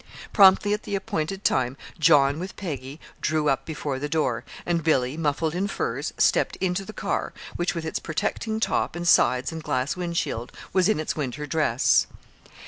Promptly at the appointed time John with Peggy drew up before the door, and Billy, muffled in furs, stepped into the car, which, with its protecting top and sides and glass wind shield, was in its winter dress.